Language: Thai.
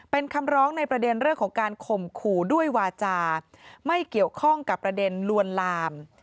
เป็นคำร้องในประเด็นเรื่องของการข่มขู่ด้วยวาจาไม่เกี่ยวข้องกับประเด็นลวนลาม